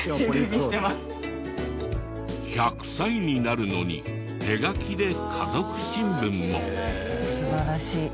１００歳になるのに手書きで家族新聞も。